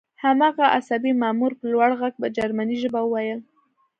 هماغه عصبي مامور په لوړ غږ په جرمني ژبه وویل